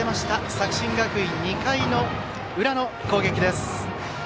作新学院、２回の裏の攻撃です。